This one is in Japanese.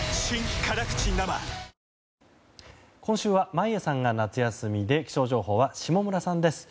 今週は眞家さんが夏休みで気象情報は下村さんです。